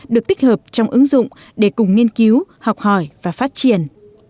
được tích hợp trong ứng dụng để cùng nghiên cứu học hỏi và phát triển